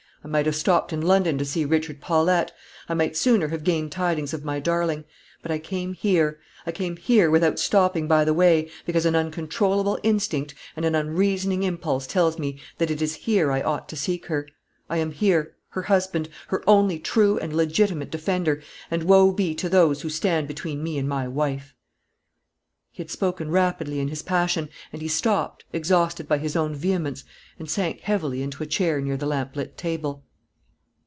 I might have stopped in London to see Richard Paulette; I might sooner have gained tidings of my darling. But I came here; I came here without stopping by the way, because an uncontrollable instinct and an unreasoning impulse tells me that it is here I ought to seek her. I am here, her husband, her only true and legitimate defender; and woe be to those who stand between me and my wife!" He had spoken rapidly in his passion; and he stopped, exhausted by his own vehemence, and sank heavily into a chair near the lamplit table.